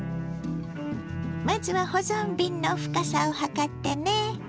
まずは保存瓶の深さを測ってね。